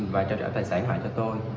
và trả tài sản lại cho tôi